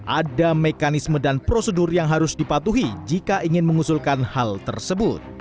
ada mekanisme dan prosedur yang harus dipatuhi jika ingin mengusulkan hal tersebut